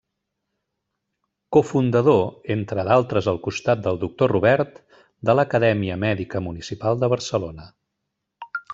Cofundador, entre d'altres al costat del Doctor Robert, de l'Acadèmia Mèdica Municipal de Barcelona.